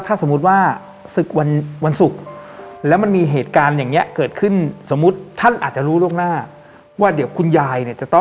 ถ้ารู้แล้วว่าถ้าสมมติว่า